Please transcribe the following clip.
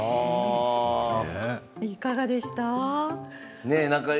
いかがでしたか。